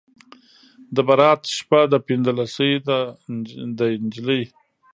د براته شپه ده پنځلسی دی نجلۍ